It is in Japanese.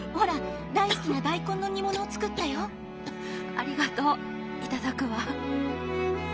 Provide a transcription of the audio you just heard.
ありがとう頂くわ。